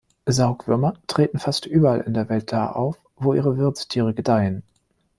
Saugwürmer treten fast überall in der Welt da auf, wo ihre Wirtstiere gedeihen.